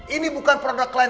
ini bukan produk klien